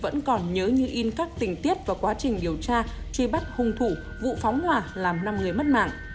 vẫn còn nhớ như in các tình tiết và quá trình điều tra truy bắt hung thủ vụ phóng hỏa làm năm người mất mạng